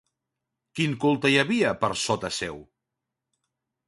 Quin culte hi havia, per sota seu?